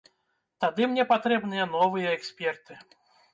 Тады мне патрэбныя новыя эксперты.